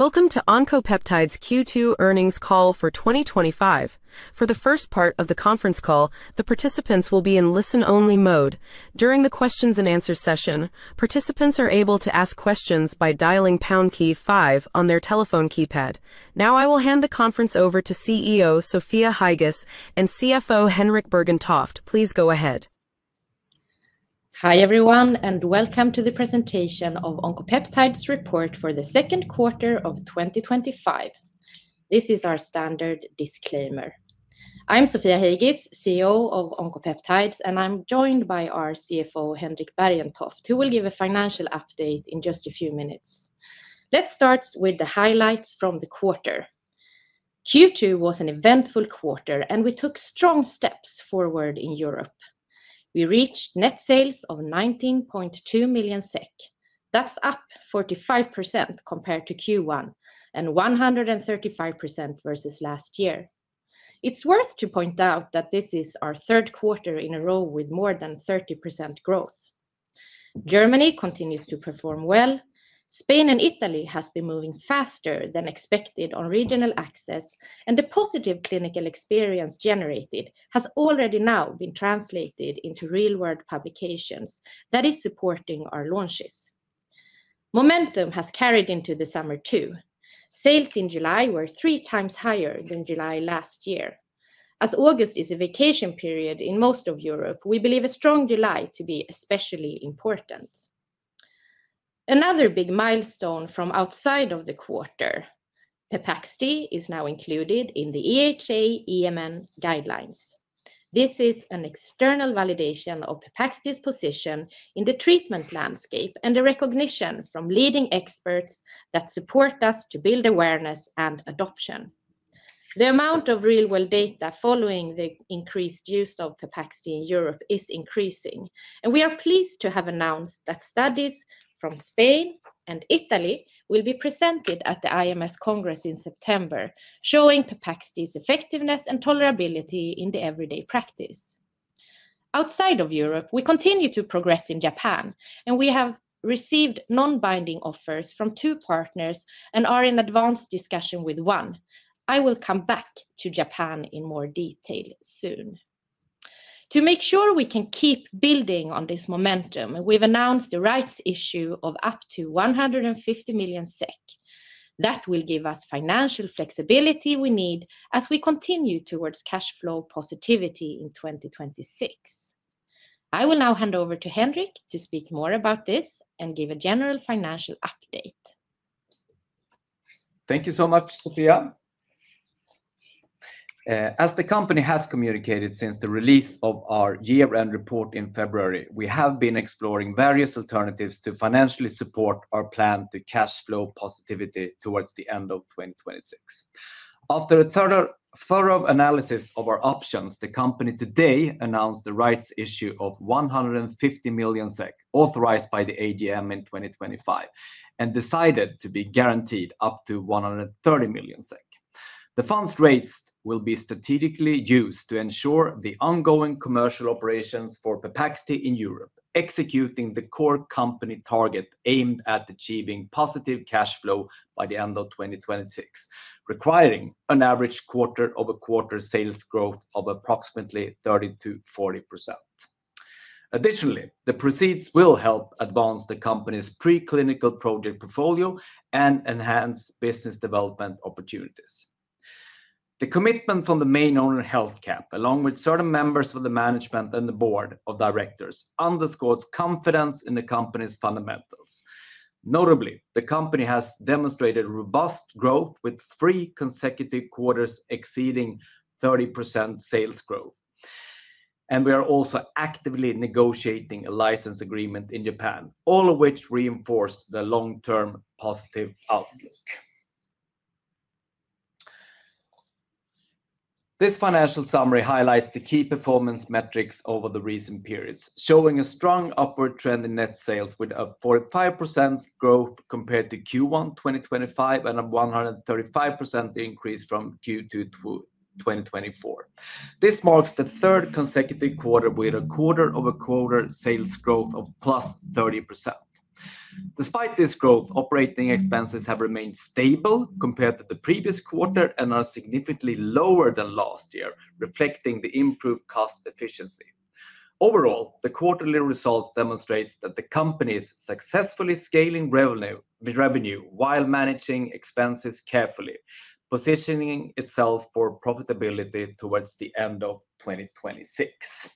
Welcome to Oncopeptides Q2 Earnings Call for 2025. For the first part of the conference call, the participants will be in listen-only mode. During the questions and answers session, participants are able to ask questions by dialing pound key five on their telephone keypad. Now, I will hand the conference over to CEO Sofia Heigis and CFO Henrik Bergentoft. Please go ahead. Hi everyone, and welcome to the presentation of Oncopeptides' report for the second quarter of 2025. This is our standard disclaimer. I'm Sofia Heigis, CEO of Oncopeptides, and I'm joined by our CFO Henrik Bergentoft, who will give a financial update in just a few minutes. Let's start with the highlights from the quarter. Q2 was an eventful quarter, and we took strong steps forward in Europe. We reached net sales of 19.2 million SEK. That's up 45% compared to Q1 and 135% versus last year. It's worth to point out that this is our third quarter in a row with more than 30% growth. Germany continues to perform well. Spain and Italy have been moving faster than expected on regional access, and the positive clinical experience generated has already now been translated into real-world publications that are supporting our launches. Momentum has carried into the summer too. Sales in July were three times higher than July last year. As August is a vacation period in most of Europe, we believe a strong July to be especially important. Another big milestone from outside of the quarter: Pepaxti is now included in the EHA-EMN guidelines. This is an external validation of Pepaxti's position in the treatment landscape and a recognition from leading experts that support us to build awareness and adoption. The amount of real-world data following the increased use of Pepaxti in Europe is increasing, and we are pleased to have announced that studies from Spain and Italy will be presented at the IMS Congress in September, showing Pepaxti's effectiveness and tolerability in the everyday practice. Outside of Europe, we continue to progress in Japan, and we have received non-binding offers from two partners and are in advanced discussion with one. I will come back to Japan in more detail soon. To make sure we can keep building on this momentum, we've announced the rights issue of up to 150 million SEK. That will give us the financial flexibility we need as we continue towards cash flow positivity in 2026. I will now hand over to Henrik to speak more about this and give a general financial update. Thank you so much, Sofia. As the company has communicated since the release of our year-end report in February, we have been exploring various alternatives to financially support our plan to cash flow positivity towards the end of 2026. After a thorough analysis of our options, the company today announced the rights issue of 150 million SEK, authorized by the AGM in 2025, and decided to be guaranteed up to 130 million SEK. The funds raised will be strategically used to ensure the ongoing commercial operations for Pepaxti in Europe, executing the core company target aimed at achieving positive cash flow by the end of 2026, requiring an average quarter-over-quarter sales growth of approximately 30%-40%. Additionally, the proceeds will help advance the company's preclinical project portfolio and enhance business development opportunities. The commitment from the main owner, Healthcamp, along with certain members of the management and the Board of Directors, underscores confidence in the company's fundamentals. Notably, the company has demonstrated robust growth with three consecutive quarters exceeding 30% sales growth. We are also actively negotiating a licensing deal in Japan, all of which reinforce the long-term positive outlook. This financial summary highlights the key performance metrics over the recent periods, showing a strong upward trend in net sales, with a 45% growth compared to Q1 2025 and a 135% increase from Q2 2024. This marks the third consecutive quarter with a quarter-over-quarter sales growth of plus 30%. Despite this growth, operating expenses have remained stable compared to the previous quarter and are significantly lower than last year, reflecting the improved cost efficiency. Overall, the quarterly results demonstrate that the company is successfully scaling revenue while managing expenses carefully, positioning itself for profitability towards the end of 2026.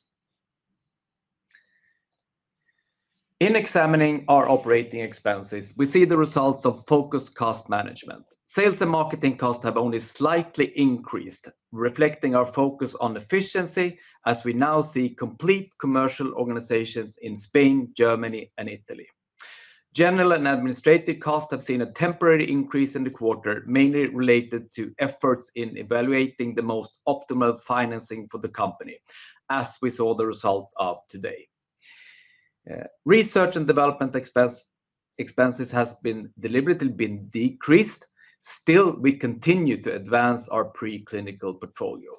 In examining our operating expenses, we see the results of focused cost management. Sales and marketing costs have only slightly increased, reflecting our focus on efficiency as we now see complete commercial organizations in Spain, Germany, and Italy. General and administrative costs have seen a temporary increase in the quarter, mainly related to efforts in evaluating the most optimal financing for the company, as we saw the result of today. Research and development expenses have deliberately been decreased. Still, we continue to advance our preclinical portfolio.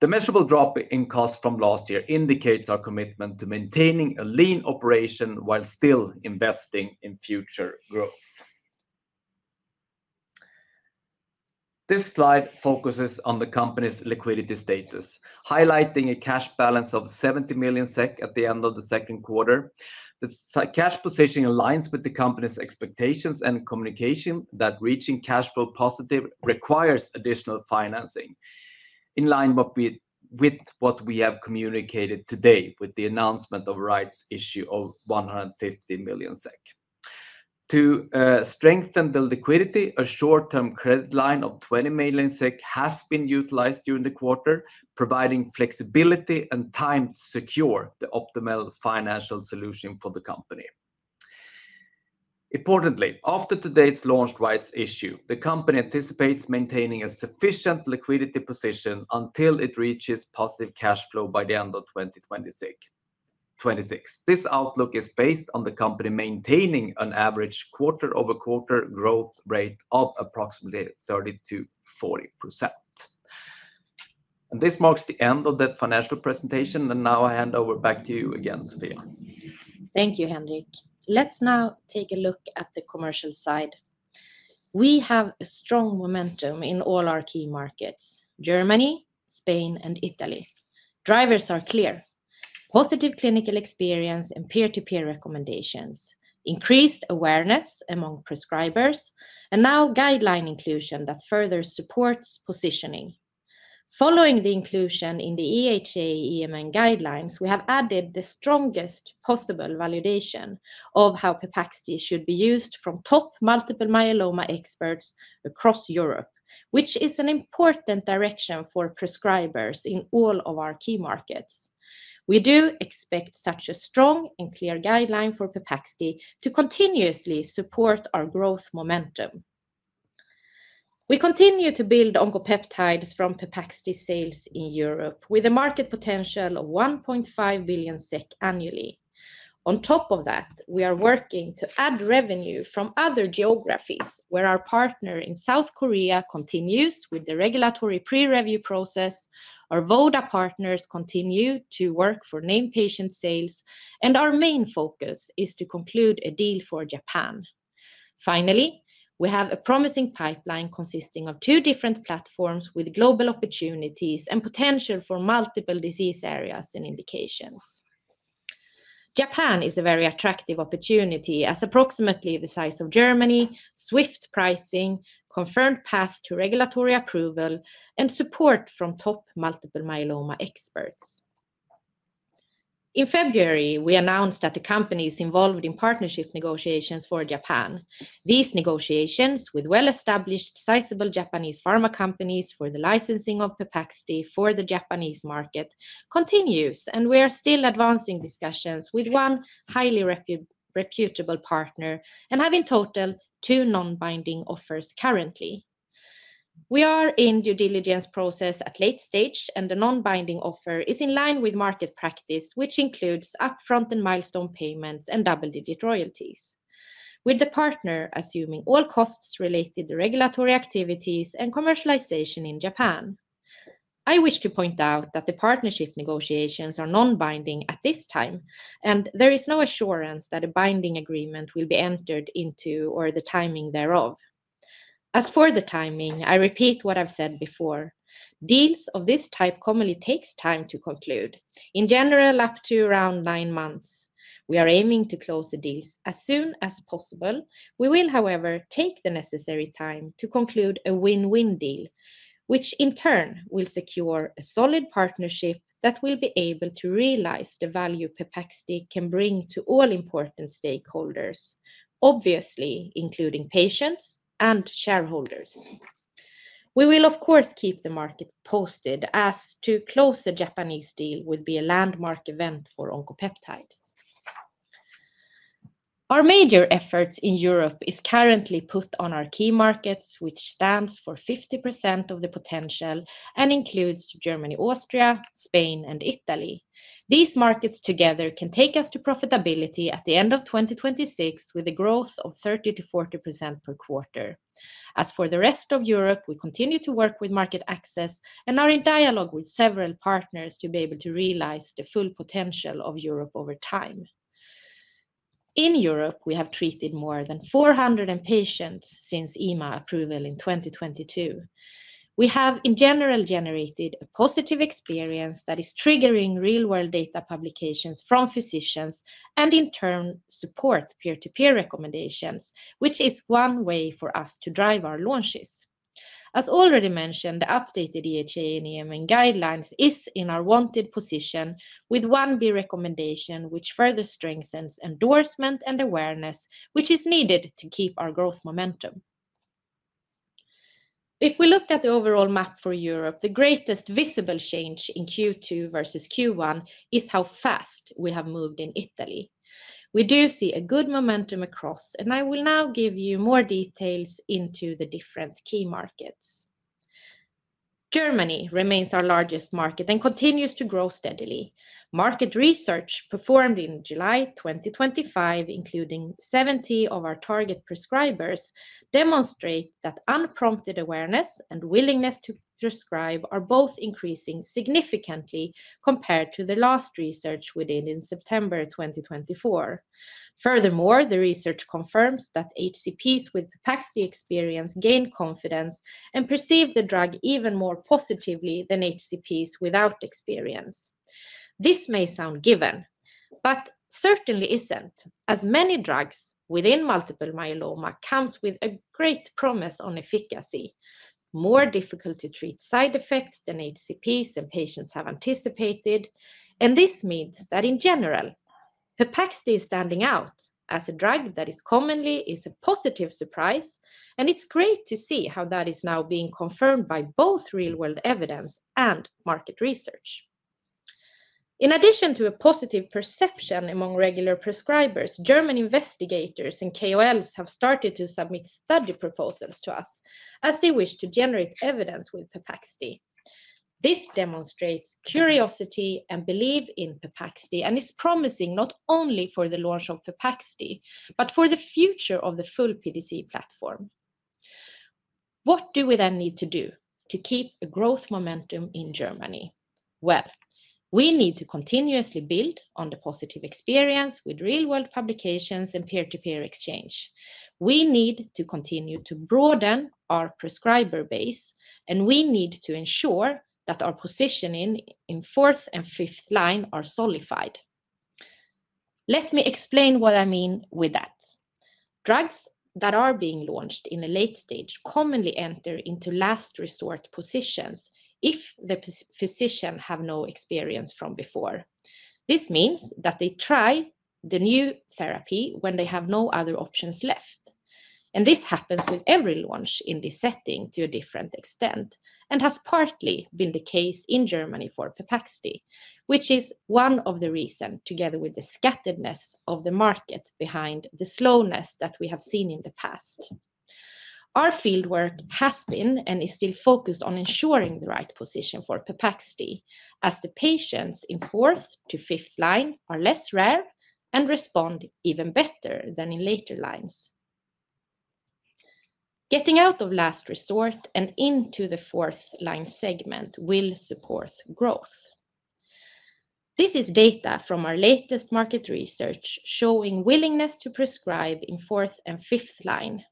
The measurable drop in costs from last year indicates our commitment to maintaining a lean operation while still investing in future growth. This slide focuses on the company's liquidity status, highlighting a cash balance of 70 million SEK at the end of the second quarter. The cash position aligns with the company's expectations and communication that reaching cash flow positive requires additional financing, in line with what we have communicated today with the announcement of the rights issue of 150 million SEK. To strengthen the liquidity, a short-term credit line of 20 million SEK has been utilized during the quarter, providing flexibility and time to secure the optimal financial solution for the company. Importantly, after today's launch rights issue, the company anticipates maintaining a sufficient liquidity position until it reaches positive cash flow by the end of 2026. This outlook is based on the company maintaining an average quarter-over-quarter growth rate of approximately 30%-40%. This marks the end of that financial presentation. I hand over back to you again, Sofia. Thank you, Henrik. Let's now take a look at the commercial side. We have strong momentum in all our key markets: Germany, Spain, and Italy. Drivers are clear: positive clinical experience and peer-to-peer recommendations, increased awareness among prescribers, and now guideline inclusion that further supports positioning. Following the inclusion in the EHA-EMN guidelines, we have added the strongest possible validation of how Pepaxti should be used from top multiple myeloma experts across Europe, which is an important direction for prescribers in all of our key markets. We do expect such a strong and clear guideline for Pepaxti to continuously support our growth momentum. We continue to build Oncopeptides from Pepaxti sales in Europe, with a market potential of 1.5 billion SEK annually. On top of that, we are working to add revenue from other geographies, where our partner in South Korea continues with the regulatory pre-review process, our WODA partners continue to work for named patient sales, and our main focus is to conclude a deal for Japan. Finally, we have a promising pipeline consisting of two different platforms with global opportunities and potential for multiple disease areas and indications. Japan is a very attractive opportunity, as approximately the size of Germany, swift pricing, confirmed path to regulatory approval, and support from top multiple myeloma experts. In February, we announced that the company is involved in partnership negotiations for Japan. These negotiations with well-established sizable Japanese pharma companies for the licensing of Pepaxti for the Japanese market continue and we are still advancing discussions with one highly reputable partner and have in total two non-binding offers currently. We are in the due diligence process at late stage, and the non-binding offer is in line with market practice, which includes upfront and milestone payments and double-digit royalties, with the partner assuming all costs related to regulatory activities and commercialization in Japan. I wish to point out that the partnership negotiations are non-binding at this time, and there is no assurance that a binding agreement will be entered into or the timing thereof. As for the timing, I repeat what I've said before. Deals of this type commonly take time to conclude, in general up to around nine months. We are aiming to close the deals as soon as possible. We will, however, take the necessary time to conclude a win-win deal, which in turn will secure a solid partnership that will be able to realize the value Pepaxti can bring to all important stakeholders, obviously including patients and shareholders. We will, of course, keep the market posted as to close a Japanese deal would be a landmark event for Oncopeptides. Our major efforts in Europe are currently put on our key markets, which stand for 50% of the potential and include Germany, Austria, Spain, and Italy. These markets together can take us to profitability at the end of 2026, with a growth of 30%-40% per quarter. As for the rest of Europe, we continue to work with market access and are in dialogue with several partners to be able to realize the full potential of Europe over time. In Europe, we have treated more than 400 patients since EMA approval in 2022. We have in general generated a positive experience that is triggering real-world data publications from physicians and in turn supports peer-to-peer recommendations, which is one way for us to drive our launches. As already mentioned, the updated EHA and EMN guidelines are in our wanted position, with one B recommendation which further strengthens endorsement and awareness, which is needed to keep our growth momentum. If we look at the overall map for Europe, the greatest visible change in Q2 versus Q1 is how fast we have moved in Italy. We do see a good momentum across, and I will now give you more details into the different key markets. Germany remains our largest market and continues to grow steadily. Market research performed in July 2025, including 70 of our target prescribers, demonstrates that unprompted awareness and willingness to prescribe are both increasing significantly compared to the last research we did in September 2024. Furthermore, the research confirms that HCPs with Pepaxti experience gain confidence and perceive the drug even more positively than HCPs without experience. This may sound given, but certainly isn't, as many drugs within multiple myeloma come with a great promise on efficacy, more difficult-to-treat side effects than HCPs and patients have anticipated, and this means that in general, Pepaxti is standing out as a drug that is commonly a positive surprise, and it's great to see how that is now being confirmed by both real-world evidence and market research. In addition to a positive perception among regular prescribers, German investigators and KOLs have started to submit study proposals to us as they wish to generate evidence with Pepaxti. This demonstrates curiosity and belief in Pepaxti and is promising not only for the launch of Pepaxti but for the future of the full PDC platform. What do we then need to do to keep the growth momentum in Germany? We need to continuously build on the positive experience with real-world publications and peer-to-peer exchange. We need to continue to broaden our prescriber base, and we need to ensure that our positioning in fourth and fifth line is solidified. Let me explain what I mean with that. Drugs that are being launched in a late stage commonly enter into last resort positions if the physicians have no experience from before. This means that they try the new therapy when they have no other options left. This happens with every launch in this setting to a different extent and has partly been the case in Germany for Pepaxti, which is one of the reasons, together with the scatteredness of the market, behind the slowness that we have seen in the past. Our fieldwork has been and is still focused on ensuring the right position for Pepaxti, as the patients in fourth to fifth line are less rare and respond even better than in later lines. Getting out of last resort and into the fourth line segment will support growth. This is data from our latest market research showing willingness to prescribe in fourth and fifth line.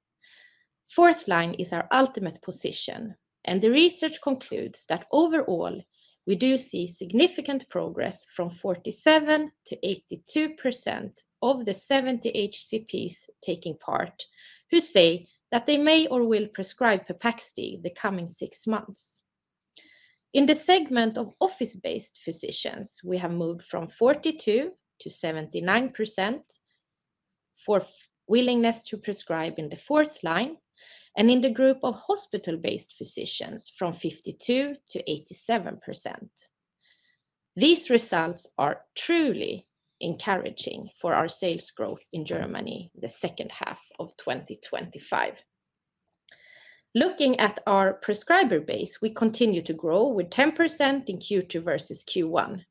Fourth line is our ultimate position, and the research concludes that overall we do see significant progress from 47% to 82% of the 70 HCPs taking part, who say that they may or will prescribe Pepaxti in the coming six months. In the segment of office-based physicians, we have moved from 42% to 79% for willingness to prescribe in the fourth line, and in the group of hospital-based physicians from 52% to 87%. These results are truly encouraging for our sales growth in Germany in the second half of 2025. Looking at our prescriber base, we continue to grow with 10% in Q2 versus Q1.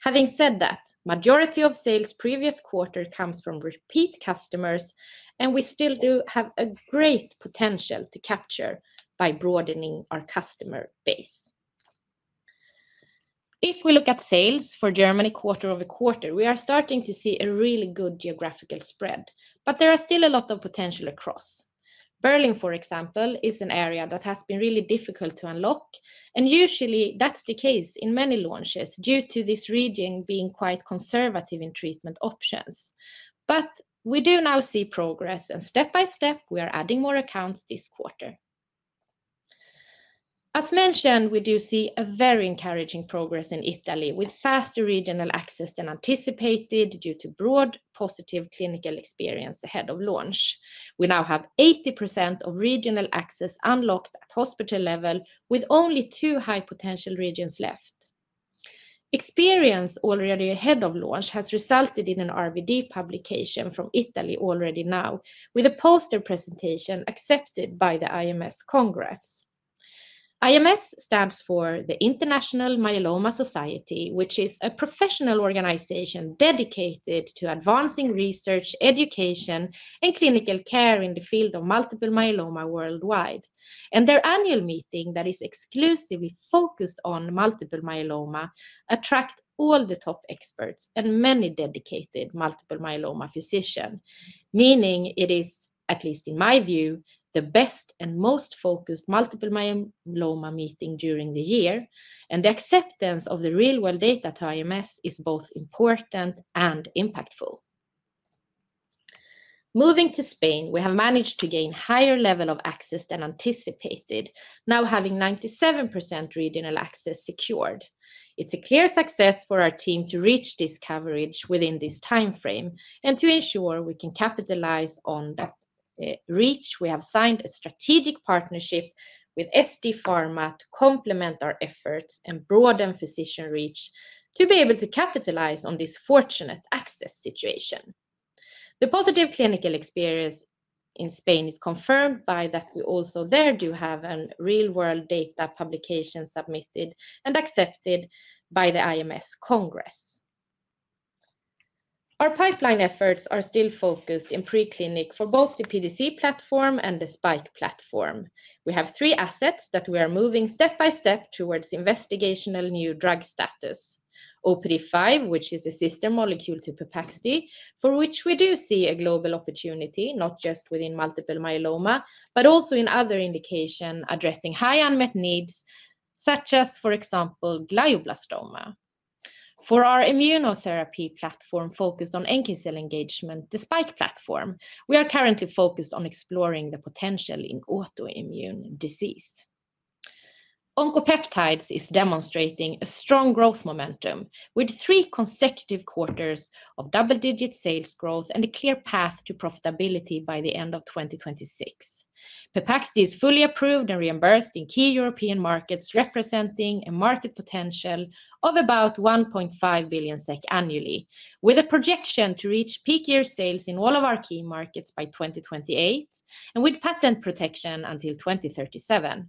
Having said that, the majority of sales from the previous quarter come from repeat customers, and we still do have a great potential to capture by broadening our customer base. If we look at sales for Germany quarter over quarter, we are starting to see a really good geographical spread, but there is still a lot of potential across. Berlin, for example, is an area that has been really difficult to unlock, and usually that's the case in many launches due to this region being quite conservative in treatment options. We do now see progress, and step by step, we are adding more accounts this quarter. As mentioned, we do see very encouraging progress in Italy, with faster regional access than anticipated due to broad positive clinical experience ahead of launch. We now have 80% of regional access unlocked at the hospital level, with only two high potential regions left. Experience already ahead of launch has resulted in a real-world data publication from Italy already now, with a poster presentation accepted by the IMS Congress. IMS stands for the International Myeloma Society, which is a professional organization dedicated to advancing research, education, and clinical care in the field of multiple myeloma worldwide. Their annual meeting that is exclusively focused on multiple myeloma attracts all the top experts and many dedicated multiple myeloma physicians, meaning it is, at least in my view, the best and most focused multiple myeloma meeting during the year, and the acceptance of the real-world data to IMS is both important and impactful. Moving to Spain, we have managed to gain a higher level of access than anticipated, now having 97% regional access secured. It's a clear success for our team to reach this coverage within this timeframe and to ensure we can capitalize on that reach. We have signed a strategic partnership with SD Pharma to complement our efforts and broaden physician reach to be able to capitalize on this fortunate access situation. The positive clinical experience in Spain is confirmed by the fact that we also there do have real-world data publications submitted and accepted by the IMS Congress. Our pipeline efforts are still focused in preclinic for both the PDC platform and the SPiKE platform. We have three assets that we are moving step by step towards investigational new drug status. OPD5, which is a sister molecule to Pepaxti, for which we do see a global opportunity, not just within multiple myeloma, but also in other indications addressing high unmet needs, such as, for example, glioblastoma. For our immunotherapy platform focused on NK cell engagement, the SPiKE platform, we are currently focused on exploring the potential in autoimmune disease. Oncopeptides is demonstrating a strong growth momentum, with three consecutive quarters of double-digit sales growth and a clear path to profitability by the end of 2026. Pepaxti is fully approved and reimbursed in key European markets, representing a market potential of about 1.5 billion SEK annually, with a projection to reach peak year sales in all of our key markets by 2028 and with patent protection until 2037.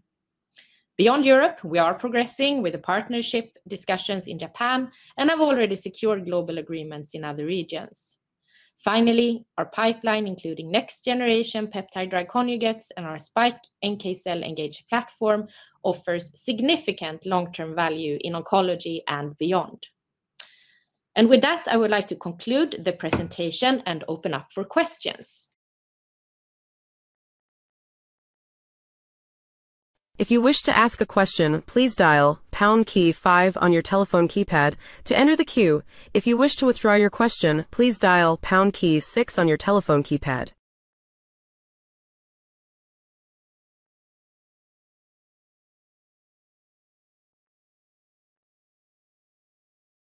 Beyond Europe, we are progressing with the partnership discussions in Japan and have already secured global agreements in other regions. Finally, our pipeline, including next-generation peptide drug conjugates and our SPiKE NK cell engagement platform, offers significant long-term value in oncology and beyond. I would like to conclude the presentation and open up for questions. If you wish to ask a question, please dial pound key on your telephone keypad to enter the queue. If you wish to withdraw your question, please dial pound key six on your telephone keypad.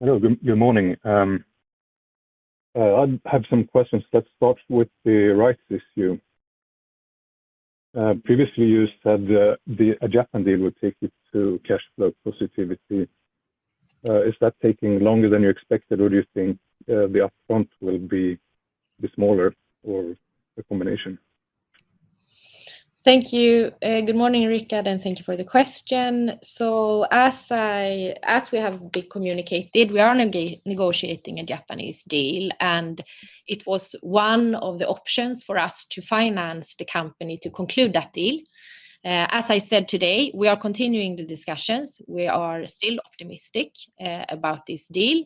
Good morning. I have some questions that start with the rights issue. Previously, you said a Japan deal would take you to cash flow positivity. Is that taking longer than you expected, or do you think the upfront will be smaller or a combination? Thank you. Good morning, Richard, and thank you for the question. As we have been communicated, we are negotiating a Japanese deal, and it was one of the options for us to finance the company to conclude that deal. As I said today, we are continuing the discussions. We are still optimistic about this deal.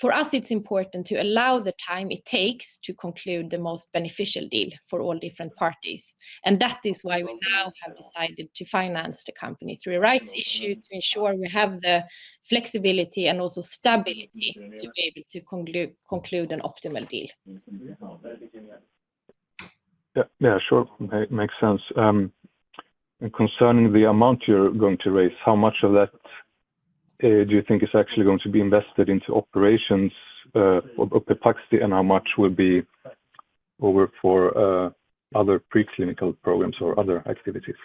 For us, it's important to allow the time it takes to conclude the most beneficial deal for all different parties. That is why we now have decided to finance the company through a rights issue to ensure we have the flexibility and also stability to be able to conclude an optimal deal. Yeah, sure. Makes sense. Concerning the amount you're going to raise, how much of that do you think is actually going to be invested into operations of Pepaxti, and how much will be over for other preclinical programs or other activities?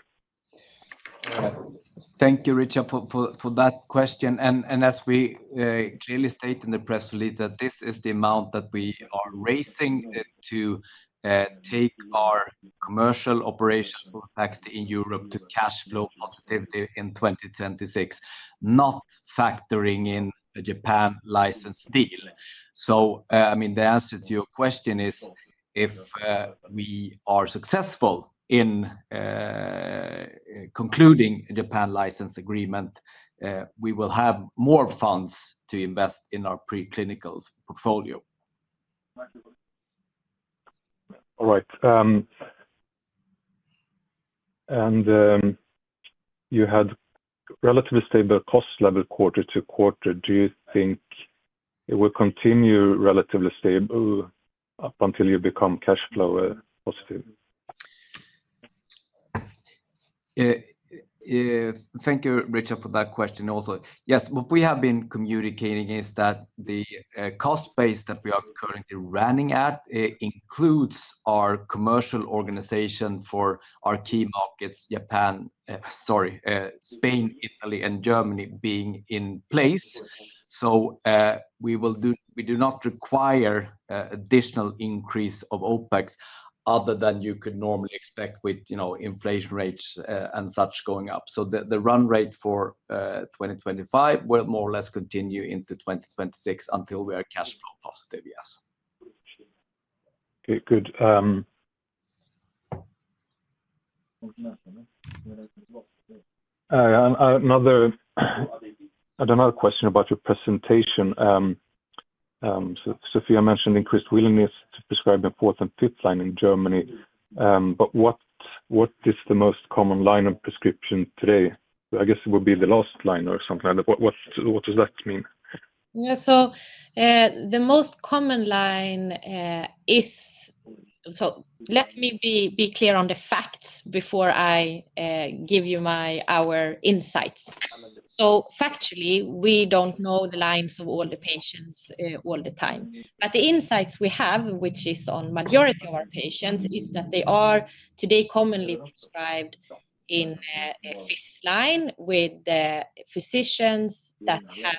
Thank you, Richard, for that question. As we clearly state in the press release, this is the amount that we are raising to take our commercial operations for Pepaxti in Europe to cash flow positivity in 2026, not factoring in a Japan licensing deal. The answer to your question is if we are successful in concluding a Japan license agreement, we will have more funds to invest in our preclinical portfolio. All right. You had relatively stable costs level quarter to quarter. Do you think it will continue relatively stable up until you become cash flow positive? Thank you, Richard, for that question also. Yes, what we have been communicating is that the cost base that we are currently running at includes our commercial organization for our key markets, Japan, sorry, Spain, Italy, and Germany being in place. We do not require an additional increase of OpEx other than you could normally expect with inflation rates and such going up. The run rate for 2025 will more or less continue into 2026 until we are cash flow positive, yes. Good. Another question about your presentation. Sofia mentioned increased willingness to prescribe an important fifth line in Germany. What is the most common line of prescription today? I guess it would be the last line or something like that. What does that mean? Yeah, the most common line is, let me be clear on the facts before I give you our insights. Factually, we don't know the lines of all the patients all the time. The insights we have, which is on the majority of our patients, is that they are today commonly prescribed in a fifth line with physicians that have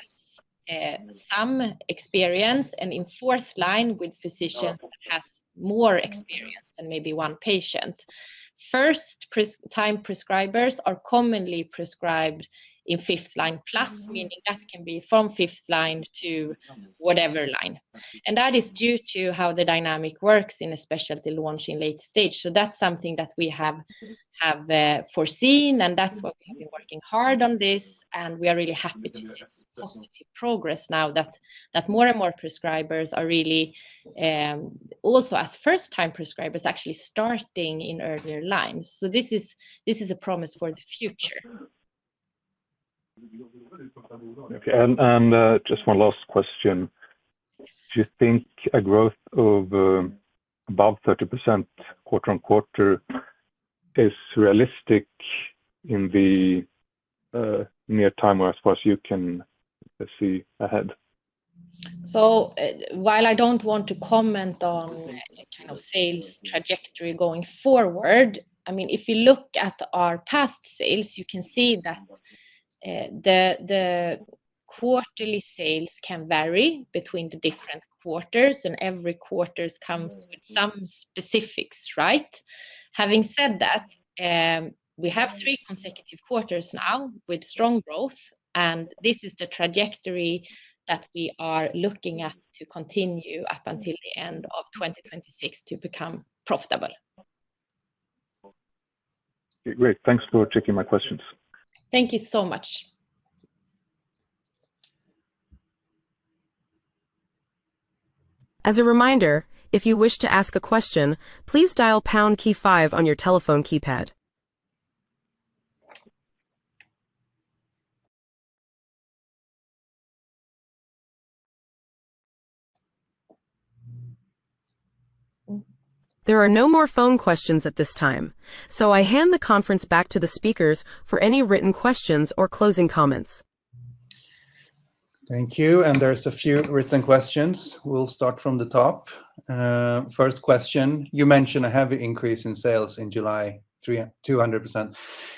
some experience and in fourth line with physicians that have more experience than maybe one patient. First-time prescribers are commonly prescribed in fifth line plus, meaning that can be from fifth line to whatever line. That is due to how the dynamic works in a specialty launch in late stage. That's something that we have foreseen, and that's why we have been working hard on this. We are really happy to see this positive progress now that more and more prescribers are really, also as first-time prescribers, actually starting in earlier lines. This is a promise for the future. Okay. Just one last question. Do you think a growth of above 30% quarter-on-quarter is realistic in the near time or as far as you can see ahead? I don't want to comment on kind of sales trajectory going forward. I mean, if you look at our past sales, you can see that the quarterly sales can vary between the different quarters, and every quarter comes with some specifics, right? Having said that, we have three consecutive quarters now with strong growth, and this is the trajectory that we are looking at to continue up until the end of 2026 to become profitable. Great. Thanks for taking my questions. Thank you so much. As a reminder, if you wish to ask a question, please dial pound key five on your telephone keypad. There are no more phone questions at this time. I hand the conference back to the speakers for any written questions or closing comments. Thank you. There are a few written questions. We'll start from the top. First question, you mentioned a heavy increase in sales in July, 200%.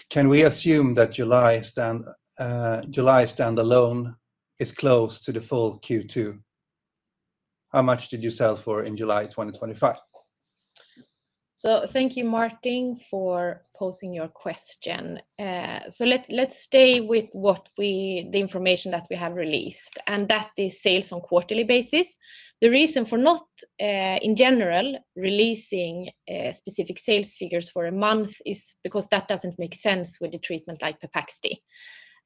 Can we assume that July standalone is close to the full Q2? How much did you sell for in July 2025? Thank you, Martin, for posing your question. Let's stay with the information that we have released, and that is sales on a quarterly basis. The reason for not, in general, releasing specific sales figures for a month is because that doesn't make sense with a treatment like Pepaxti.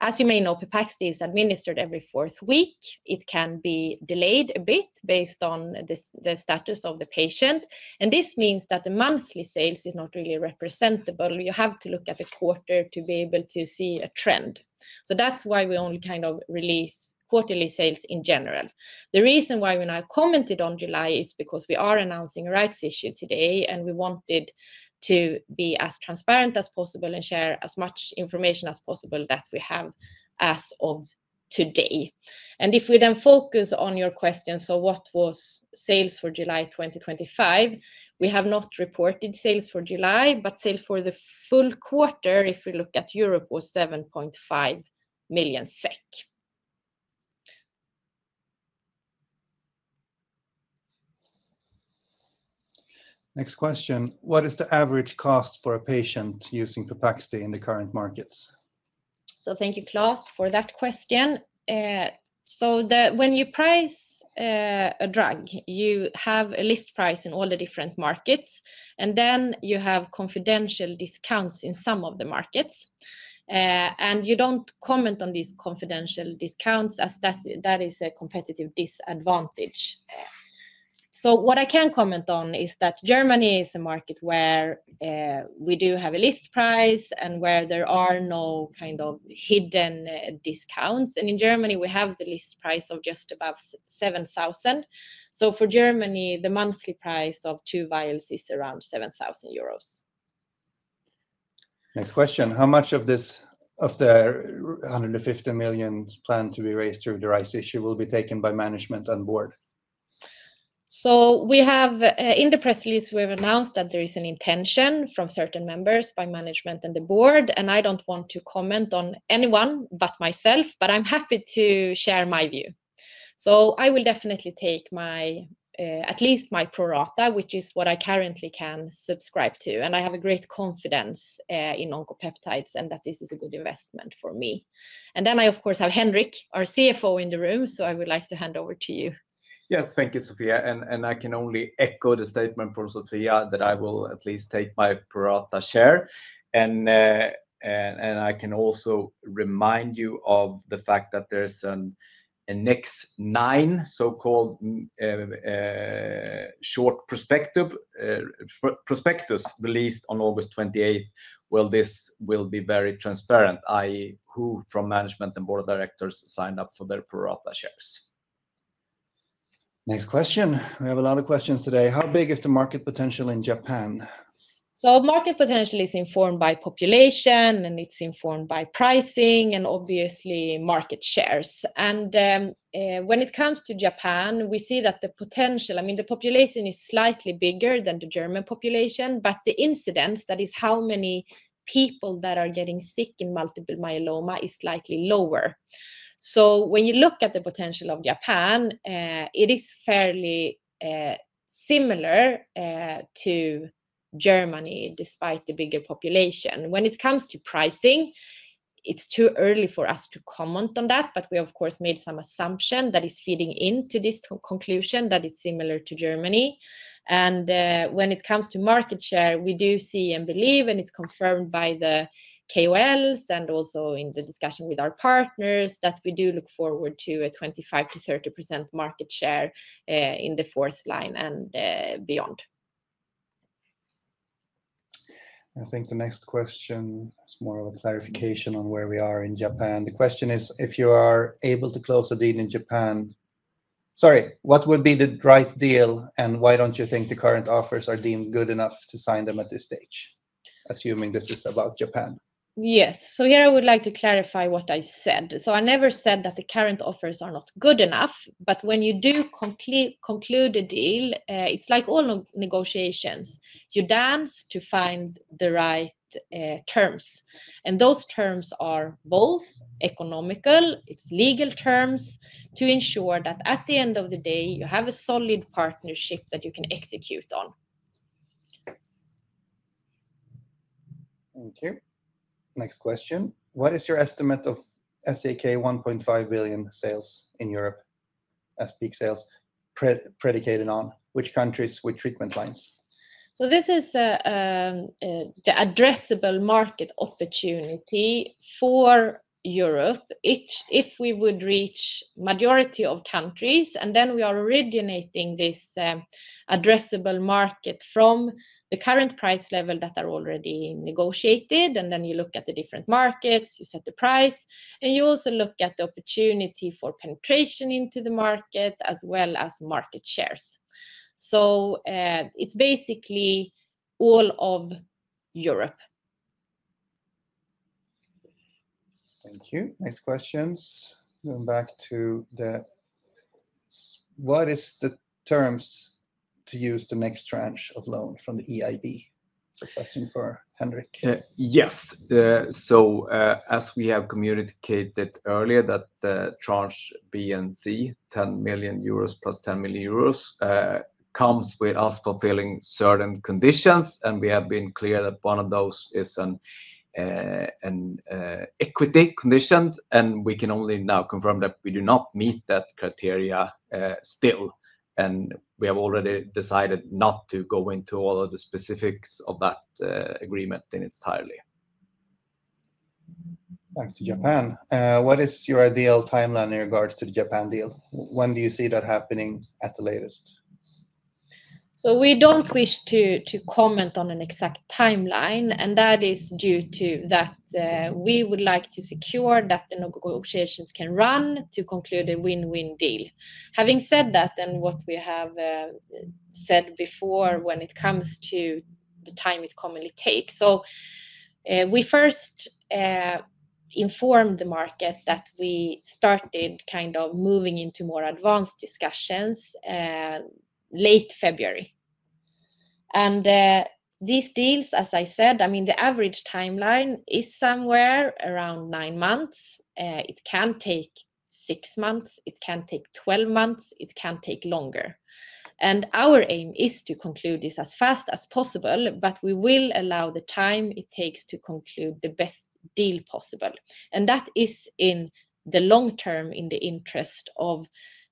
As you may know, Pepaxti is administered every fourth week. It can be delayed a bit based on the status of the patient. This means that the monthly sales are not really representable. You have to look at the quarter to be able to see a trend. That's why we only release quarterly sales in general. The reason why we now commented on July is because we are announcing rights issues today, and we wanted to be as transparent as possible and share as much information as possible that we have as of today. If we then focus on your question, what was sales for July 2025? We have not reported sales for July, but sales for the full quarter, if we look at Europe, was 7.5 million SEK. Next question. What is the average cost for a patient using Pepaxti in the current markets? Thank you, Klaas, for that question. When you price a drug, you have a list price in all the different markets, and then you have confidential discounts in some of the markets. You don't comment on these confidential discounts as that is a competitive disadvantage. What I can comment on is that Germany is a market where we do have a list price and where there are no kind of hidden discounts. In Germany, we have the list price of just above 7,000. For Germany, the monthly price of two vials is around 7,000 euros. Next question. How much of the 150 million planned to be raised through the rights issue will be taken by management and board? In the press release, we've announced that there is an intention from certain members by management and the board, and I don't want to comment on anyone but myself, but I'm happy to share my view. I will definitely take at least my pro rata, which is what I currently can subscribe to, and I have great confidence in Oncopeptides and that this is a good investment for me. I, of course, have Henrik, our CFO, in the room, so I would like to hand over to you. Yes, thank you, Sofia. I can only echo the statement from Sofia that I will at least take my pro rata share. I can also remind you of the fact that there's a next nine so-called short prospectus released on August 28. This will be very transparent, i.e., who from management and Board of Directors signed up for their pro rata shares. Next question. We have a lot of questions today. How big is the market potential in Japan? Market potential is informed by population, and it's informed by pricing and obviously market shares. When it comes to Japan, we see that the potential, I mean, the population is slightly bigger than the German population, but the incidence, that is how many people that are getting sick in multiple myeloma, is slightly lower. When you look at the potential of Japan, it is fairly similar to Germany despite the bigger population. When it comes to pricing, it's too early for us to comment on that, but we, of course, made some assumptions that are feeding into this conclusion that it's similar to Germany. When it comes to market share, we do see and believe, and it's confirmed by the KOLs and also in the discussion with our partners, that we do look forward to a 25% to 30% market share in the fourth line and beyond. I think the next question is more of a clarification on where we are in Japan. The question is, if you are able to close a deal in Japan, what would be the right deal and why don't you think the current offers are deemed good enough to sign them at this stage, assuming this is about Japan? Yes, here I would like to clarify what I said. I never said that the current offers are not good enough. When you do conclude a deal, it's like all negotiations. You dance to find the right terms, and those terms are both economical and legal to ensure that at the end of the day, you have a solid partnership that you can execute on. Okay. Next question. What is your estimate of 1.5 billion sales in Europe as peak sales predicated on which countries, which treatment lines? This is the addressable market opportunity for Europe if we would reach a majority of countries. We are originating this addressable market from the current price level that are already negotiated. You look at the different markets, you set the price, and you also look at the opportunity for penetration into the market as well as market shares. It's basically all of Europe. Thank you. Next questions. Moving back to what is the terms to use the next tranche of loan from the EIB? Question for Henrik. Yes. As we have communicated earlier, that tranche B and C, €10 million plus €10 million, comes with us fulfilling certain conditions. We have been clear that one of those is an equity condition. We can only now confirm that we do not meet that criteria still. We have already decided not to go into all of the specifics of that agreement in its entirety. Back to Japan. What is your ideal timeline in regards to the Japan deal? When do you see that happening at the latest? We don't wish to comment on an exact timeline, and that is due to that we would like to secure that the negotiations can run to conclude a win-win deal. Having said that, and what we have said before when it comes to the time it commonly takes, we first informed the market that we started kind of moving into more advanced discussions late February. These deals, as I said, the average timeline is somewhere around nine months. It can take six months, it can take 12 months, it can take longer. Our aim is to conclude this as fast as possible, but we will allow the time it takes to conclude the best deal possible. That is in the long term in the interest of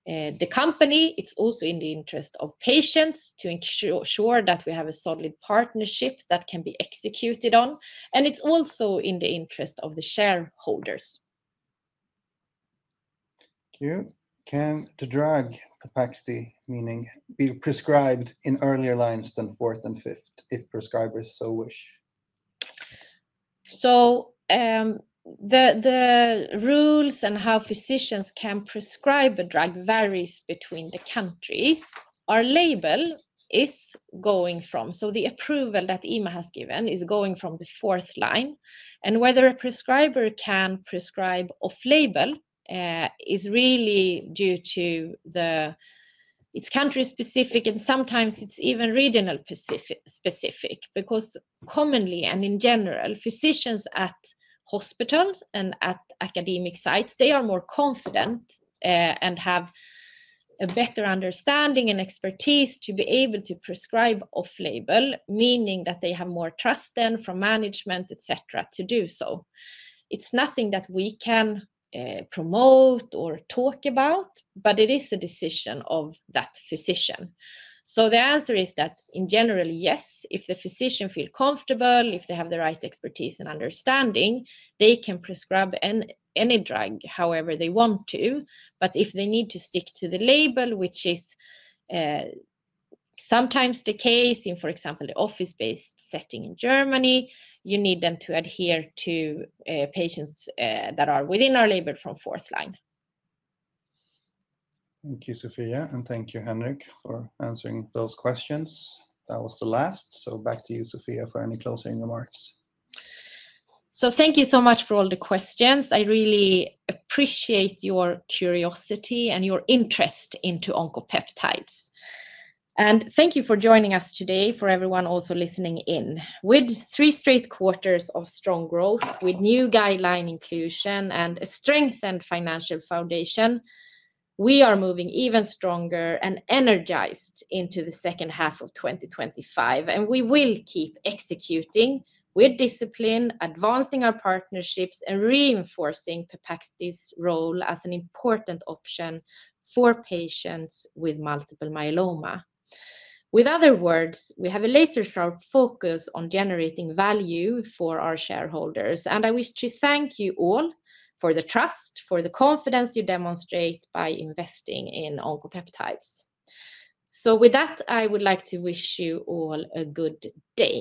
the company. It's also in the interest of patients to ensure that we have a solid partnership that can be executed on. It's also in the interest of the shareholders. Thank you. Can the drug Pepaxti, meaning be prescribed in earlier lines than fourth and fifth if prescribers so wish? The rules and how physicians can prescribe a drug vary between the countries. Our label is going from, the approval that EMA has given is going from the fourth line. Whether a prescriber can prescribe off-label is really country-specific, and sometimes it's even region-specific because commonly and in general, physicians at hospitals and at academic sites are more confident and have a better understanding and expertise to be able to prescribe off-label, meaning that they have more trust from management, etc., to do so. It's nothing that we can promote or talk about, but it is a decision of that physician. The answer is that in general, yes, if the physician feels comfortable, if they have the right expertise and understanding, they can prescribe any drug however they want to. If they need to stick to the label, which is sometimes the case in, for example, the office-based setting in Germany, you need to adhere to patients that are within our label from fourth line. Thank you, Sofia, and thank you, Henrik, for answering those questions. That was the last. Back to you, Sofia, for any closing remarks. Thank you so much for all the questions. I really appreciate your curiosity and your interest in Oncopeptides. Thank you for joining us today, for everyone also listening in. With three straight quarters of strong growth, with new guideline inclusion and a strengthened financial foundation, we are moving even stronger and energized into the second half of 2025. We will keep executing with discipline, advancing our partnerships, and reinforcing Pepaxti's role as an important option for patients with multiple myeloma. In other words, we have a laser-sharp focus on generating value for our shareholders. I wish to thank you all for the trust, for the confidence you demonstrate by investing in Oncopeptides. With that, I would like to wish you all a good day.